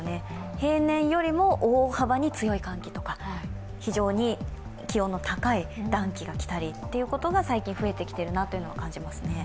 平年よりも大幅に強い寒気とか、非常に気温の高い暖気が来たりということが最近増えてきているなというのを感じますね。